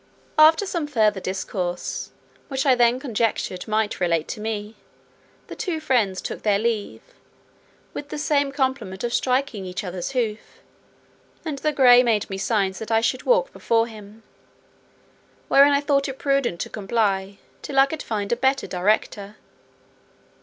After some further discourse, which I then conjectured might relate to me, the two friends took their leaves, with the same compliment of striking each other's hoof; and the gray made me signs that I should walk before him; wherein I thought it prudent to comply, till I could find a better director.